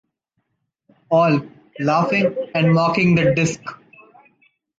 All, laughing and mocking the disk.